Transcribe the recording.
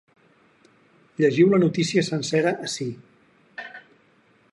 Llegiu la notícia sencera ací.